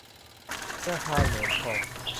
ธนาคารแหลมทอง